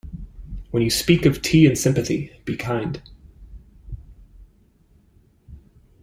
When you speak of 'Tea and Sympathy', be kind.